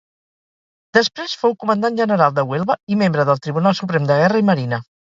Després fou comandant general de Huelva i membre del Tribunal Suprem de Guerra i Marina.